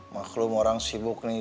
maklum orang sibuk nih